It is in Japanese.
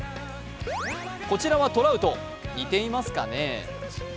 こちらはトラウト、似ていますかね？